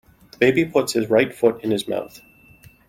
The baby puts his right foot in his mouth.